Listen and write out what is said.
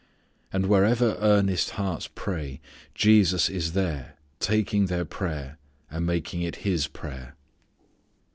And wherever earnest hearts pray Jesus is there taking their prayer and making it His prayer.